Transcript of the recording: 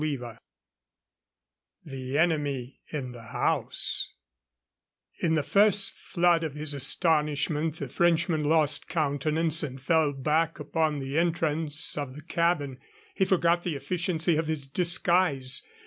CHAPTER XI THE ENEMY IN THE HOUSE In the first flood of his astonishment the Frenchman lost countenance and fell back upon the entrance of the cabin. He forgot the efficiency of his disguise.